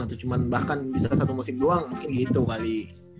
atau cuma bahkan bisa ke satu musim doang mungkin gitu kali